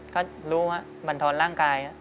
ก็รู้บรรทอนร่างกาย